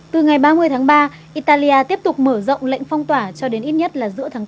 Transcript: từ ngày ba mươi tháng ba italia tiếp tục mở rộng lệnh phong tỏa cho đến ít nhất là giữa tháng bốn